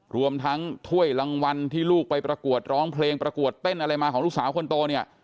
รวมทั้งถ้วยรางวัลที่ลูกไปประกวดร้องเพลงประกวดเต้นอะไรมาของลูกสาวคนโตเนี่ย